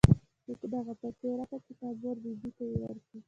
نو دغه پيسې ورکه چې د تا مور بي بي ته يې ورکي.